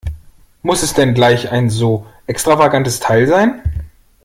Muss es denn gleich so ein extravagantes Teil sein?